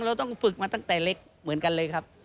เราต้องฝึกมาตั้งแต่เล็กเหมือนกันเลยครับ